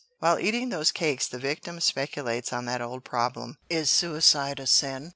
While eating those cakes the victim speculates on that old problem, Is Suicide a Sin?